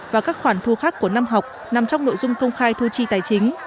và các khoản thu khác của năm học nằm trong nội dung công khai thu chi tài chính